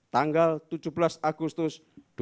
tanggal tujuh belas agustus dua ribu delapan belas